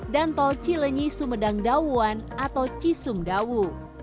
dan tol cilenyi sumedang dawuan atau cisum dawu